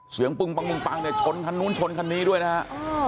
เสียงปึงปังปึงปังแต่ชนคันนู้นชนคันนี้ด้วยนะฮะ